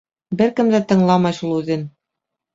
Бер кем дә тыңламай шул үҙен.